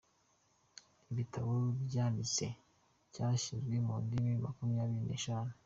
Ibitabo yanditse byashyizwe mu ndimi makumyabiri n’eshatu.